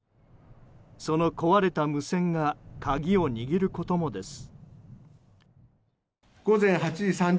その壊れた無線が鍵を握ることもです。